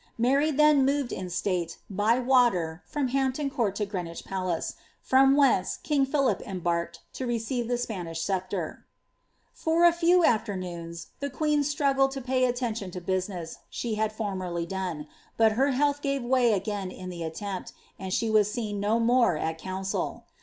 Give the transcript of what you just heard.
^ Mary then moved in state, by water, from Hampton Court to Greenwich Palace ; from whence king Philip embarked, to receive the Spanish sceptre. For a few afternoons, the queen struggled to pay the attention to busi Deaa she had formerly done, but her health gave way again in the attempt, and she was seen no more at council.'